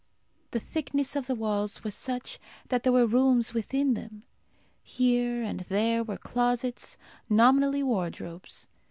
The thickness of the walls was such that there were rooms within them. Here and there were closets, nominally wardrobes.